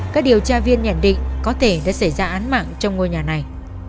các điều tra viên nhận định có thể đã xảy ra án mạng trong ngôi nhà này